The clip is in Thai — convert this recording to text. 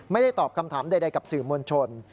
ไม่ได้ตอบคำถามใดกับสื่อมวลชน